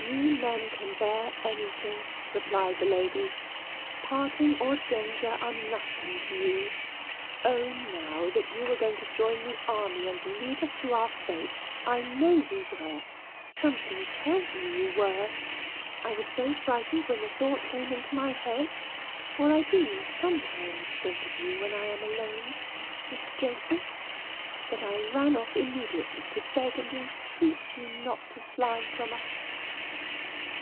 "You men can bear anything," replied the lady. "Parting or danger are nothing to you. Own now that you were going to join the army and leave us to our fate. I know you were something tells me you were. I was so frightened, when the thought came into my head (for I do sometimes think of you when I am alone, Mr. Joseph), that I ran off immediately to beg and entreat you not to fly from us."